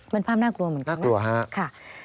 เป็นภาพน่ากลัวเหมือนกัน